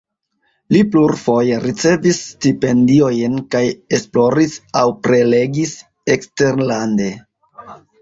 Li plurfoje ricevis stipendiojn kaj esploris aŭ prelegis eksterlande.